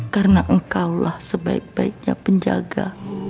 karena engkau lah sebaik baiknya penjaga